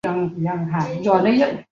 两人育有三个子女。